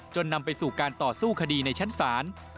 นำไปสู่การต่อสู้คดีในชั้นศาล